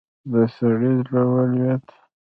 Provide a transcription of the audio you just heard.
د سړي زړه ولوېد.